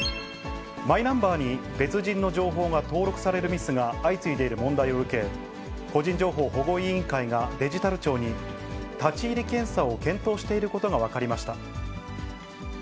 マイナンバーに別人の情報が登録されるミスが相次いでいる問題を受け、個人情報保護委員会がデジタル庁に、立ち入り検査を検討していることが分かりました。